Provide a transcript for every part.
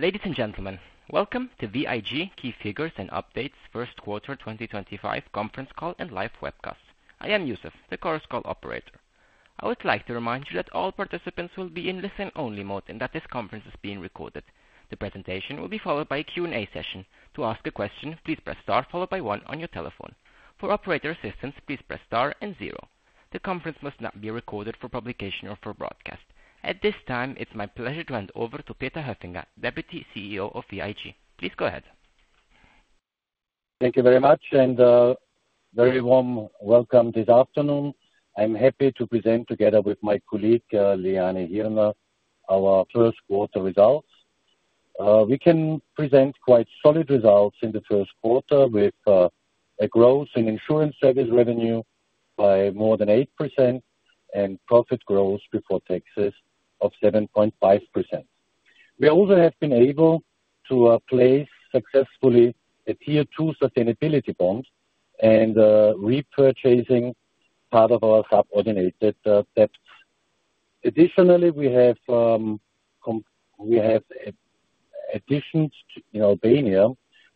Ladies and gentlemen, welcome to VIG Key Figures and Updates First Quarter 2025 Conference Call and Live Webcast. I am Yusuf, the call operator. I would like to remind you that all participants will be in listening-only mode, and that this conference is being recorded. The presentation will be followed by a Q&A session. To ask a question, please press star followed by one on your telephone. For operator assistance, please press star and zero. The conference must not be recorded for publication or for broadcast. At this time, it's my pleasure to hand over to Peter Höfinger, Deputy CEO of VIG. Please go ahead. Thank you very much, and a very warm welcome this afternoon. I'm happy to present together with my colleague, Liane Hirner, our first quarter results. We can present quite solid results in the first quarter, with a growth in insurance service revenue by more than 8% and profit growth before taxes of 7.5%. We also have been able to place successfully a Tier 2 sustainability bond and repurchasing part of our subordinated debts. Additionally, we have additions in Albania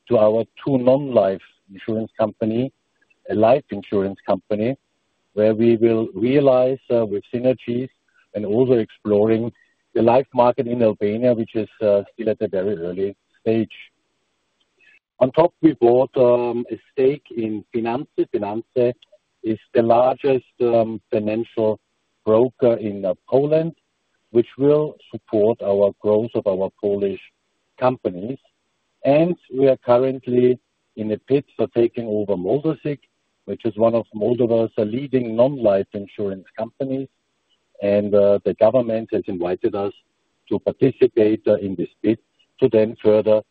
to our 2 non-life insurance companies, a life insurance company, where we will realize with synergies and also exploring the life market in Albania, which is still at a very early stage. On top, we bought a stake in Finanse. Finanse is the largest financial broker in Poland, which will support the growth of our Polish companies. We are currently in a bid for taking over Motorzyk, which is one of Moldova's leading non-life insurance companies. The government has invited us to participate in this bid to then further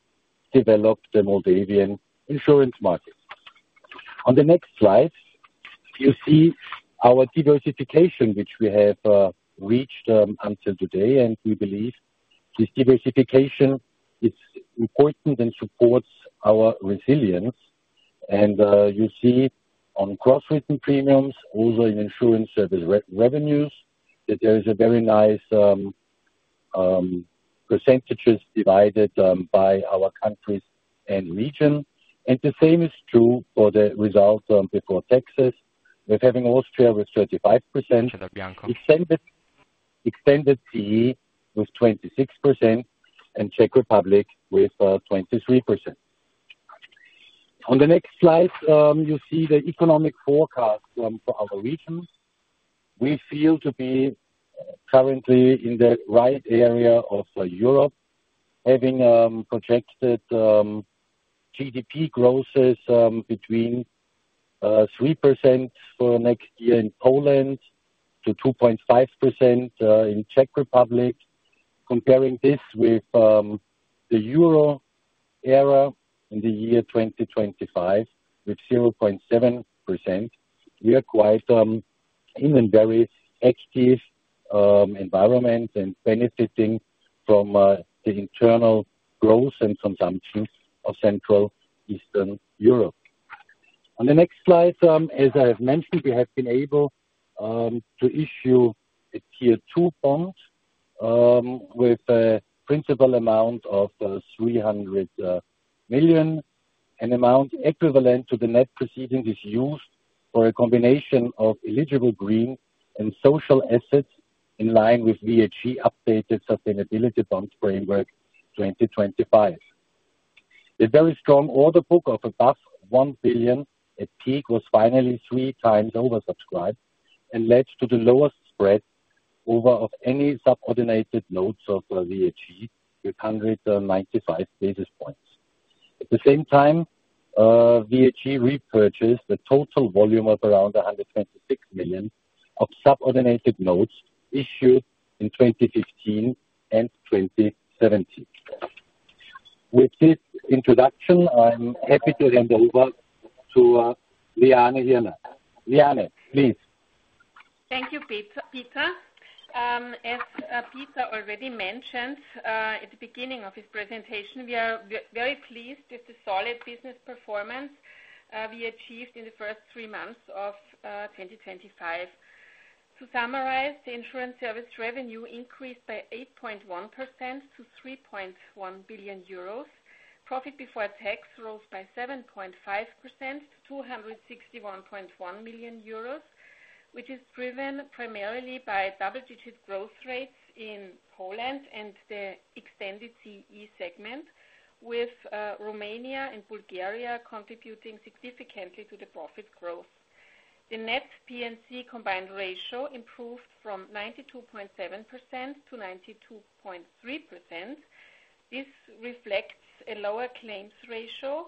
develop the Moldavian insurance market. On the next slide, you see our diversification, which we have reached until today. We believe this diversification is important and supports our resilience. You see on cross-referencing premiums, also in insurance service revenues, that there is a very nice percentage divided by our countries and region. The same is true for the result before taxes. We are having Austria with 35%, extended CE with 26%, and Czech Republic with 23%. On the next slide, you see the economic forecast for our region. We feel to be currently in the right area of Europe, having projected GDP growth between 3% for next year in Poland to 2.5% in Czech Republic. Comparing this with the Euro area in the year 2025, with 0.7%, we are quite in a very active environment and benefiting from the internal growth and consumption of Central Eastern Europe. On the next slide, as I have mentioned, we have been able to issue a Tier 2 bond with a principal amount of 300 million, an amount equivalent to the net proceedings is used for a combination of eligible green and social assets in line with VIG updated Sustainability Bond Framework 2025. The very strong order book of above 1 billion, a peak, was finally 3 times oversubscribed and led to the lowest spread over of any subordinated notes of VIG, with 195 basis points. At the same time, VIG repurchased the total volume of around 126 million of subordinated notes issued in 2015 and 2017. With this introduction, I'm happy to hand over to Liane Hirner. Liane, please. Thank you, Peter. As Peter already mentioned at the beginning of his presentation, we are very pleased with the solid business performance we achieved in the first 3 months of 2025. To summarize, the insurance service revenue increased by 8.1% to 3.1 billion euros. Profit before tax rose by 7.5% to 261.1 million euros, which is driven primarily by double-digit growth rates in Poland and the extended CE segment, with Romania and Bulgaria contributing significantly to the profit growth. The net P&C combined ratio improved from 92.7% to 92.3%. This reflects a lower claims ratio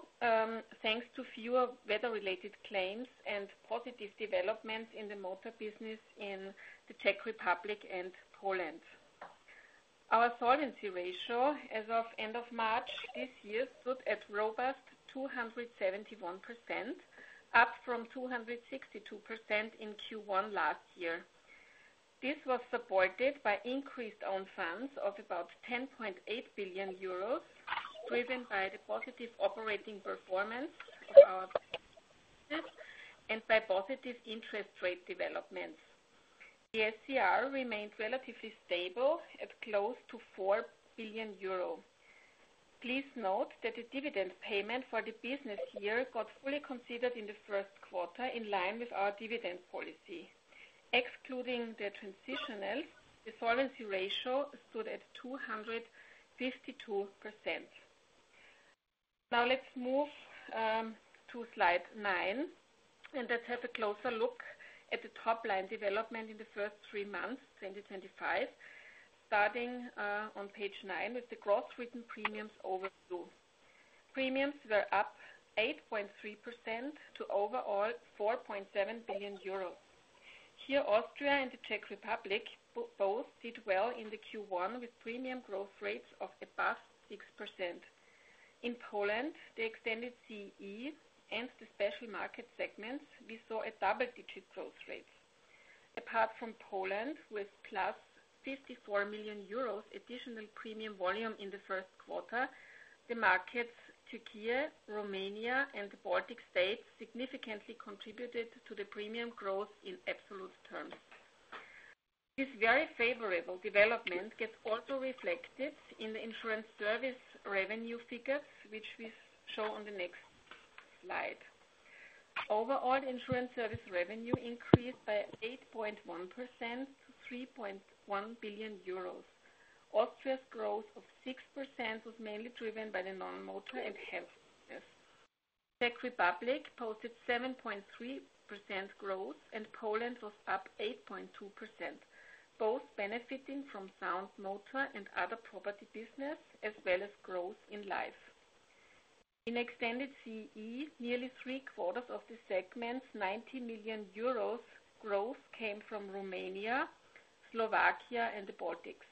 thanks to fewer weather-related claims and positive developments in the motor business in the Czech Republic and Poland. Our solvency ratio as of end of March this year stood as robust 271%, up from 262% in Q1 last year. This was supported by increased own funds of about 10.8 billion euros, driven by the positive operating performance of our business and by positive interest rate developments. The SER remained relatively stable at close to 4 billion euro. Please note that the dividend payment for the business year got fully considered in the first quarter in line with our dividend policy. Excluding the transitionals, the solvency ratio stood at 252%. Now let's move to slide nine, and let's have a closer look at the top line development in the first 3 months 2025. Starting on page nine is the cross-written premiums overflow. Premiums were up 8.3% to overall 4.7 billion euros. Here, Austria and the Czech Republic both did well in the Q1 with premium growth rates of above 6%. In Poland, the extended CE and the special market segments, we saw a double-digit growth rate. Apart from Poland, with plus 54 million euros additional premium volume in the first quarter, the markets Türkiye, Romania, and the Baltic states significantly contributed to the premium growth in absolute terms. This very favorable development gets also reflected in the insurance service revenue figures, which we show on the next slide. Overall, the insurance service revenue increased by 8.1% to 3.1 billion euros. Austria's growth of 6% was mainly driven by the non-motor and health business. Czech Republic posted 7.3% growth, and Poland was up 8.2%, both benefiting from sound motor and other property business, as well as growth in life. In extended CE, nearly 3 quarters of the segment's 90 million euros growth came from Romania, Slovakia, and the Baltics.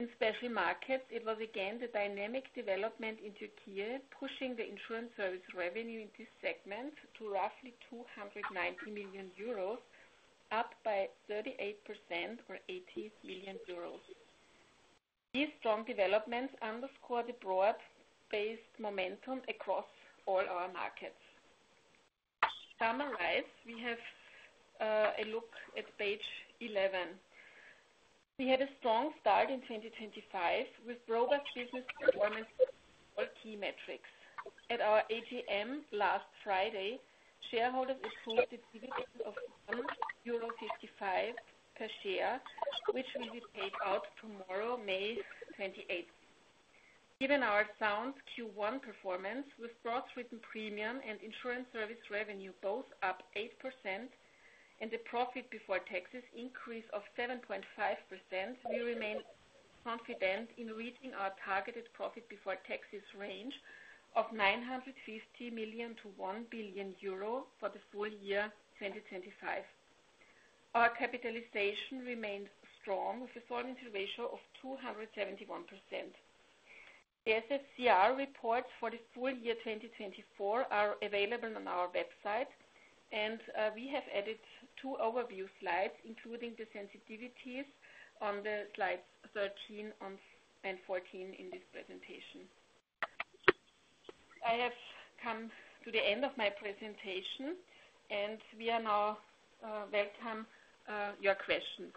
In special markets, it was again the dynamic development in Türkiye, pushing the insurance service revenue in this segment to roughly 290 million euros, up by 38% or 80 million euros. These strong developments underscore the broad-based momentum across all our markets. To summarize, we have a look at page 11. We had a strong start in 2025 with robust business performance for key metrics. At our AGM last Friday, shareholders issued a dividend of 1.55 euro per share, which will be paid out tomorrow, May 28th. Given our sound Q1 performance with cross-written premium and insurance service revenue both up 8% and the profit before taxes increase of 7.5%, we remain confident in reaching our targeted profit before taxes range of 950 million-1 billion euro for the full year 2025. Our capitalization remained strong with a solvency ratio of 271%. The SSCR reports for the full year 2024 are available on our website, and we have added 2 overview slides, including the sensitivities on slides 13 and 14 in this presentation. I have come to the end of my presentation, and we are now welcome to your questions.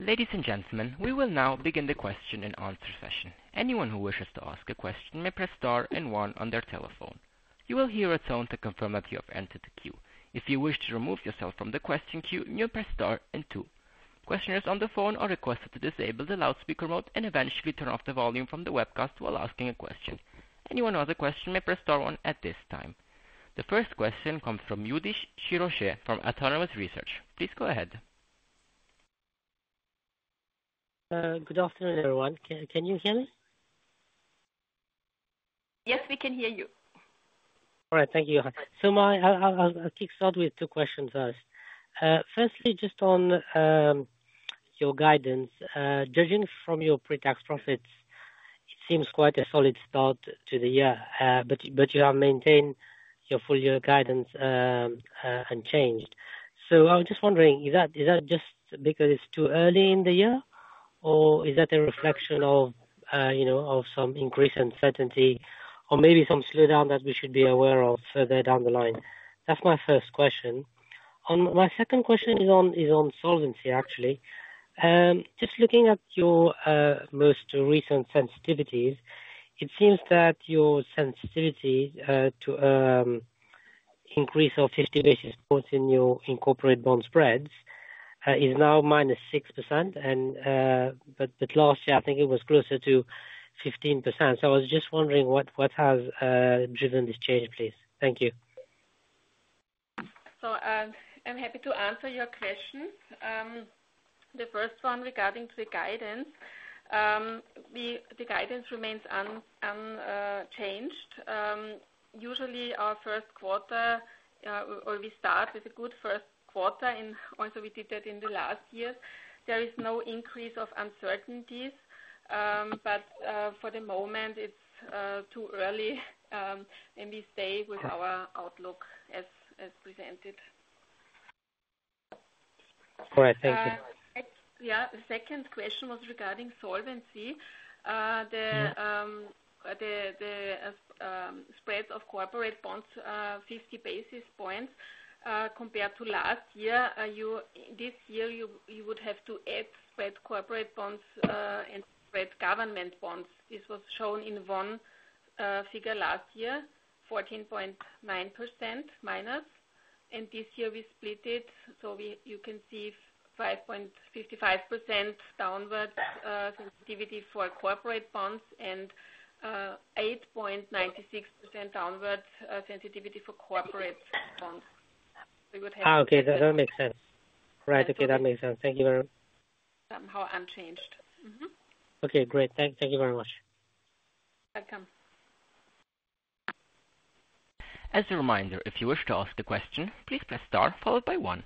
Ladies and gentlemen, we will now begin the question and answer session. Anyone who wishes to ask a question may press star and one on their telephone. You will hear a tone to confirm that you have entered the queue. If you wish to remove yourself from the question queue, you press star and 2. Questioners on the phone are requested to disable the loudspeaker mode and eventually turn off the volume from the webcast while asking a question. Anyone who has a question may press star one at this time. The first question comes from Yudish Chicooree from Autonomous Research. Please go ahead. Good afternoon, everyone. Can you hear me? Yes, we can hear you. All right, thank you. I'll kick start with 2 questions first. Firstly, just on your guidance, judging from your pre-tax profits, it seems quite a solid start to the year, but you have maintained your full-year guidance unchanged. I'm just wondering, is that just because it's too early in the year, or is that a reflection of some increase in certainty, or maybe some slowdown that we should be aware of further down the line? That's my first question. My second question is on solvency, actually. Just looking at your most recent sensitivities, it seems that your sensitivity to an increase of 50 basis points in your incorporated bond spreads is now -6%, but last year, I think it was closer to 15%. I was just wondering what has driven this change, please. Thank you. I'm happy to answer your questions. The first one regarding the guidance, the guidance remains unchanged. Usually, our first quarter, or we start with a good first quarter, and also we did that in the last year. There is no increase of uncertainties, but for the moment, it's too early, and we stay with our outlook as presented. All right, thank you. Yeah, the second question was regarding solvency. The spreads of corporate bonds, 50 basis points compared to last year, this year, you would have to add spread corporate bonds and spread government bonds. This was shown in one figure last year, 14.9% minus. This year, we split it, so you can see 5.55% downward sensitivity for corporate bonds and 8.96% downward sensitivity for government bonds. Okay, that makes sense. Right, okay, that makes sense. Thank you very much. Somehow unchanged. Okay, great. Thank you very much. Welcome. As a reminder, if you wish to ask a question, please press star followed by one.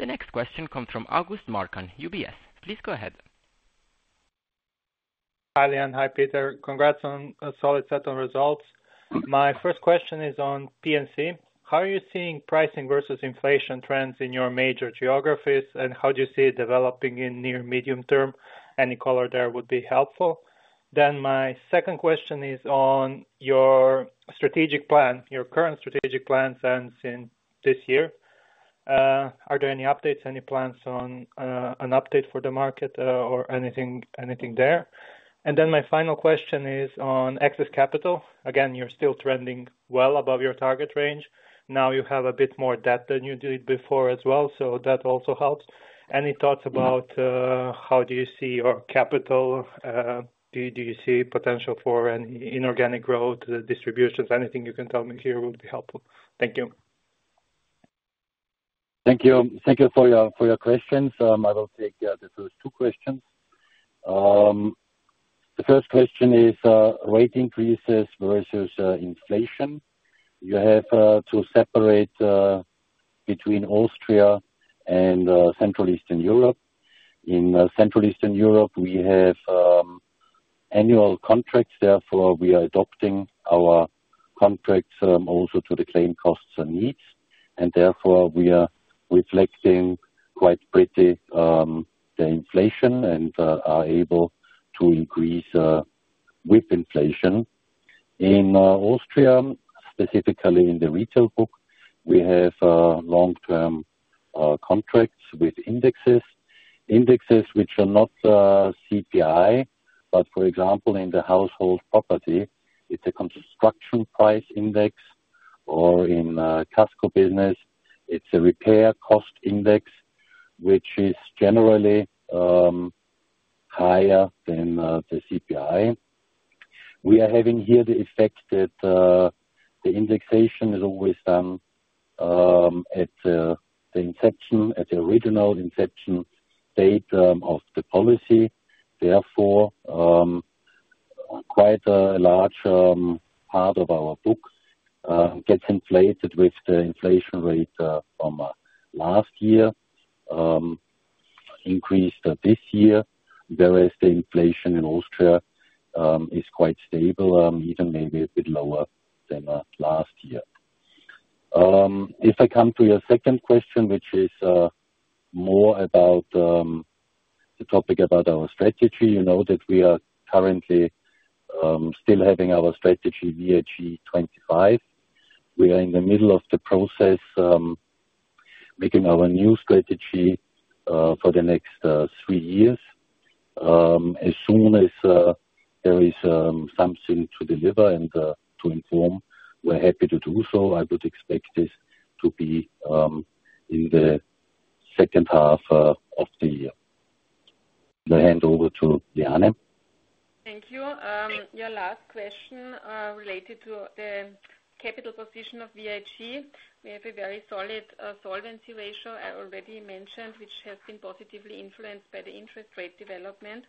The next question comes from August Markan, UBS. Please go ahead. Hi Liane, hi Peter. Congrats on solid set on results. My first question is on P&C. How are you seeing pricing versus inflation trends in your major geographies, and how do you see it developing in near medium term? Any color there would be helpful. My second question is on your strategic plan, your current strategic plan in this year. Are there any updates, any plans on an update for the market or anything there? My final question is on excess capital. Again, you're still trending well above your target range. Now you have a bit more debt than you did before as well, so that also helps. Any thoughts about how do you see your capital? Do you see potential for any inorganic growth, distributions? Anything you can tell me here would be helpful. Thank you. Thank you. Thank you for your questions. I will take 2 questions. The first question is rate increases versus inflation. You have to separate between Austria and Central Eastern Europe. In Central Eastern Europe, we have annual contracts. Therefore, we are adopting our contracts also to the same costs and needs. Therefore, we are reflecting quite pretty the inflation and are able to increase with inflation. In Austria, specifically in the retail book, we have long-term contracts with indexes, indexes which are not CPI, but for example, in the household property, it is a construction price index, or in CASCO business, it is a repair cost index, which is generally higher than the CPI. We are having here the effect that the indexation is always done at the inception, at the original inception date of the policy. Therefore, quite a large part of our book gets inflated with the inflation rate from last year, increased this year. Whereas the inflation in Austria is quite stable, even maybe a bit lower than last year. If I come to your second question, which is more about the topic about our strategy, you know that we are currently still having our strategy VHE25. We are in the middle of the process making our new strategy for the next 3 years. As soon as there is something to deliver and to inform, we're happy to do so. I would expect this to be in the second half of the year. I'm going to hand over to Liane. Thank you. Your last question related to the capital position of VIG may be very solid. Solvency ratio I already mentioned, which has been positively influenced by the interest rate development.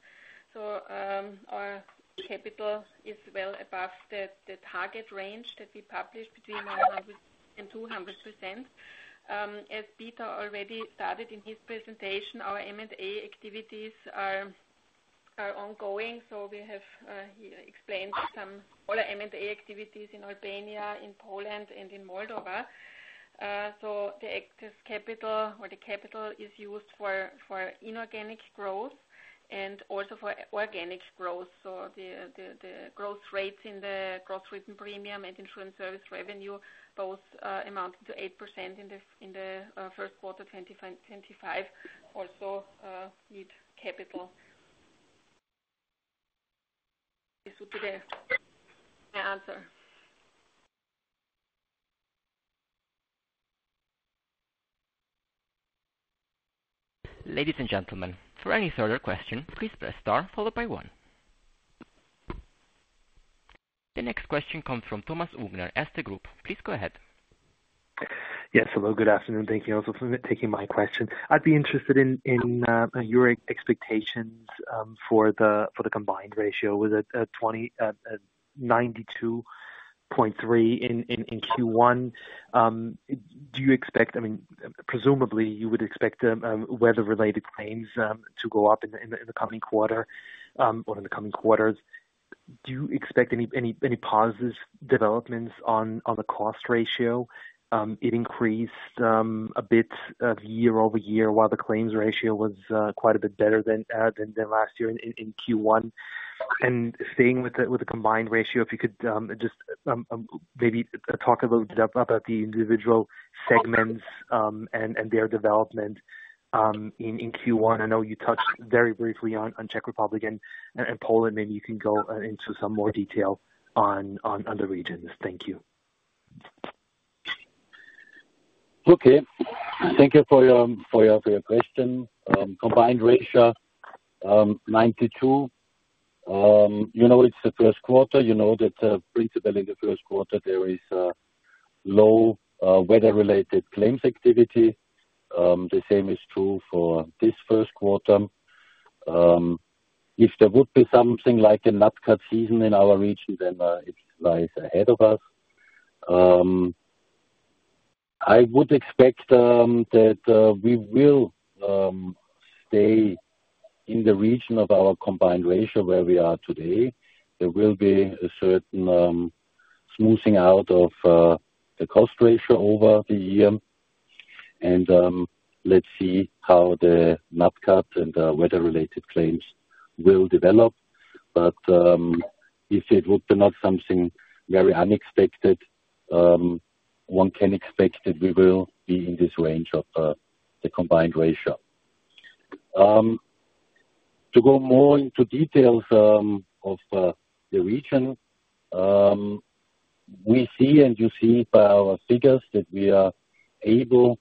Our capital is well above the target range that we published between 100% and 200%. As Peter already started in his presentation, our M&A activities are ongoing. We have explained some of our M&A activities in Albania, in Poland, and in Moldova. The excess capital or the capital is used for inorganic growth and also for organic growth. The growth rates in the cross-written premium and insurance service revenue both amounted to 8% in the first quarter 2025, also need capital. This would be my answer. Ladies and gentlemen, for any further questions, please press star followed by one. The next question comes from Thomas Unger as the group. Please go ahead. Yes, hello, good afternoon. Thank you also for taking my question. I'd be interested in your expectations for the combined ratio with a 92.3% in Q1. Do you expect, I mean, presumably you would expect weather-related claims to go up in the coming quarter or in the coming quarters. Do you expect any positive developments on the cost ratio? It increased a bit year over year while the claims ratio was quite a bit better than last year in Q1. Staying with the combined ratio, if you could just maybe talk a little bit about the individual segments and their development in Q1. I know you touched very briefly on Czech Republic and Poland, and you can go into some more detail on the regions. Thank you. Okay, thank you for your question. Combined ratio 92. You know it's the first quarter. You know that principally in the first quarter, there is low weather-related claims activity. The same is true for this first quarter. If there would be something like a NatCat season in our region, then it lies ahead of us. I would expect that we will stay in the region of our combined ratio where we are today. There will be a certain smoothing out of the cost ratio over the year. Let's see how the NatCat and the weather-related claims will develop. If it would be not something very unexpected, one can expect that we will be in this range of the combined ratio. To go more into details of the region, we see and you see by our figures that we are able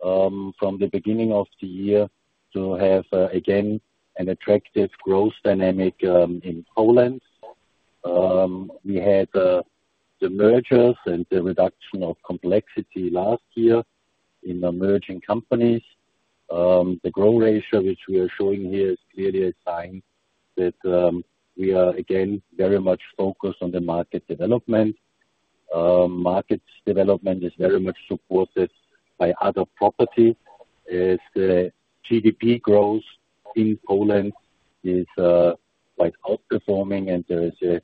from the beginning of the year to have again an attractive growth dynamic in Poland. We had the mergers and the reduction of complexity last year in the merging companies. The growth ratio, which we are showing here, is clearly a sign that we are again very much focused on the market development. Market development is very much supported by other properties. The GDP growth in Poland is quite outperforming, and there is a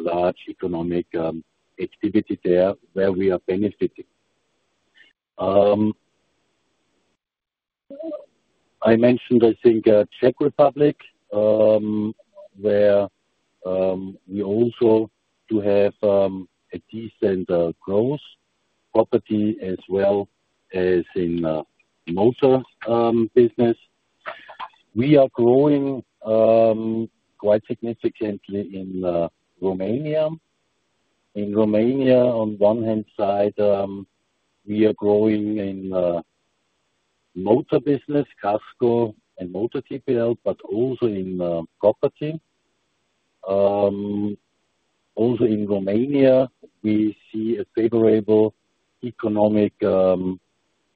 large economic activity there where we are benefiting. I mentioned, I think, Czech Republic, where we also do have a decent growth property as well as in motor business. We are growing quite significantly in Romania. In Romania, on one hand side, we are growing in motor business, CASCO and Motor GPL, but also in property. Also in Romania, we see a favorable economic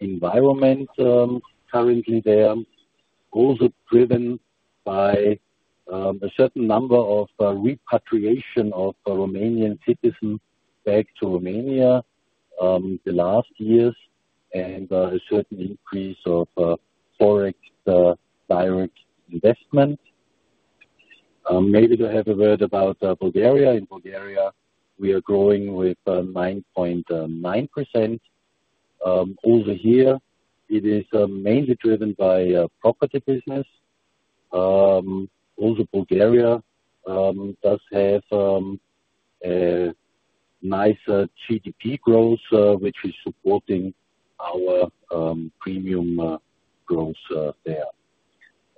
environment currently there, also driven by a certain number of repatriation of Romanian citizens back to Romania the last years and a certain increase of forex direct investment. Maybe to have a word about Bulgaria. In Bulgaria, we are growing with 9.9%. Over here, it is mainly driven by property business. Also, Bulgaria does have a nice GDP growth, which is supporting our premium growth there.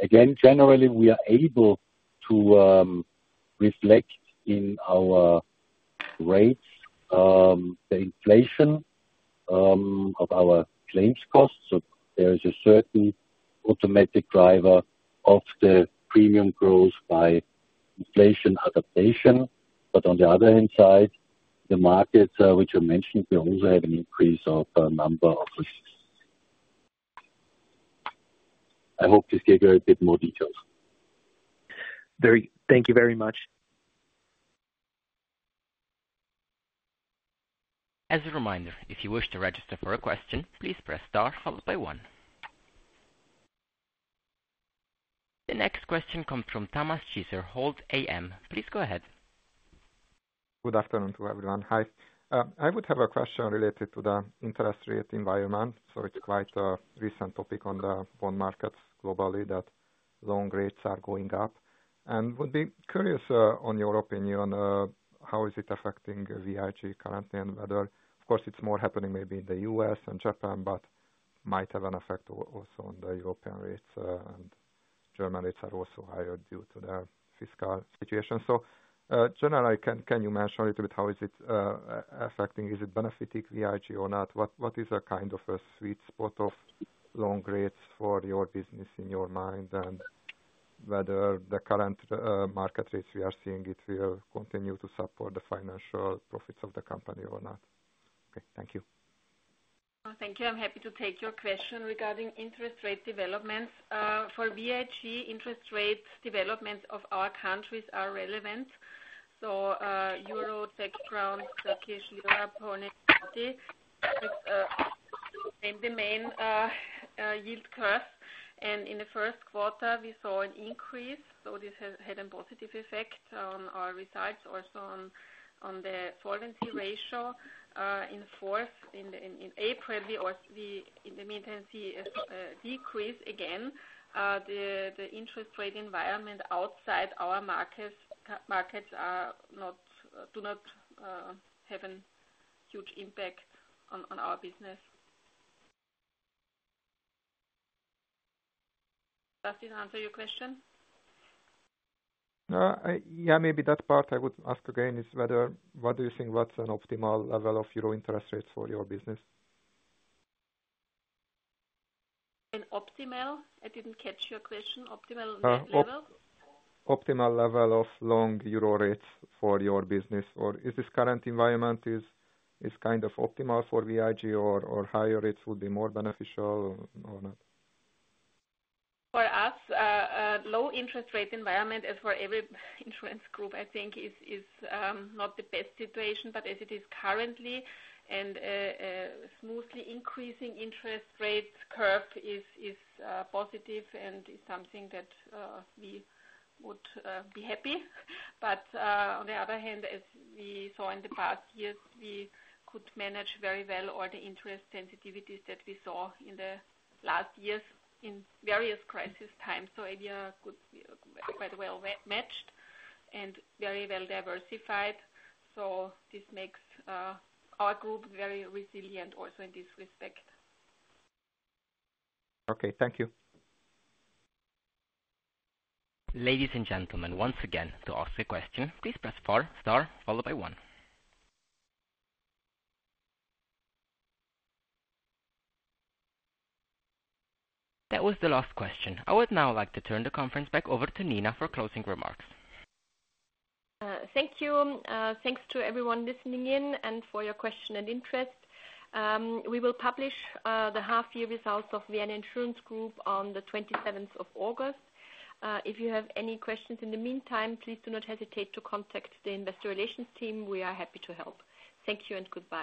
Again, generally, we are able to reflect in our rates, the inflation of our claims costs. There is a certain automatic driver of the premium growth by inflation adaptation. On the other hand side, the markets, which I mentioned, we also have an increase of a number of risks. I hope this gave you a bit more details. Thank you very much. As a reminder, if you wish to register for a question, please press star followed by one. The next question comes from Thomas Cheser, Hold AM. Please go ahead. Good afternoon to everyone. Hi. I would have a question related to the interest rate environment. It's quite a recent topic on the phone markets globally that long rates are going up. I would be curious on your opinion, how is it affecting VIG currently and whether, of course, it's more happening maybe in the U.S. and Japan, but might have an effect also on the European rates. German rates are also higher due to the fiscal situation. Generally, can you mention a little bit how is it affecting? Is it benefiting VIG or not? What is a kind of a sweet spot of long rates for your business in your mind and whether the current market rates we are seeing, it will continue to support the financial profits of the company or not? Okay, thank you. Thank you. I'm happy to take your question regarding interest rate developments. For VIG, interest rate developments of our countries are relevant. Euro, Czech koruna, Turkish, Europe, and the main yield curve. In the first quarter, we saw an increase. This had a positive effect on our results, also on the solvency ratio. In April, in the meantime, we see a decrease again. The interest rate environment outside our markets does not have a huge impact on our business. Does this answer your question? Yeah, maybe that part I would ask again is what do you think what's an optimal level of euro interest rates for your business? Optimal? I didn't catch your question. Optimal level? Optimal level of long euro rates for your business. Is this current environment kind of optimal for VIG or would higher rates be more beneficial or not? For us, a low interest rate environment for every insurance group, I think, is not the best situation, but as it is currently, and a smoothly increasing interest rate curve is positive and is something that we would be happy. On the other hand, as we saw in the past years, we could manage very well all the interest sensitivities that we saw in the last years in various crisis times. We are quite well matched and very well diversified. This makes our group very resilient also in this respect. Okay, thank you. Ladies and gentlemen, once again, to ask a question, please press four, star followed by one. That was the last question. I would now like to turn the conference back over to Liane for closing remarks. Thank you. Thanks to everyone listening in and for your question and interest. We will publish the half-year results of Vienna Insurance Group on the 27th of August. If you have any questions in the meantime, please do not hesitate to contact the Investor Relations Team. We are happy to help. Thank you and goodbye.